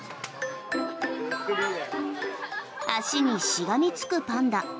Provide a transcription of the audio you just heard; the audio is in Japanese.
足にしがみつくパンダ。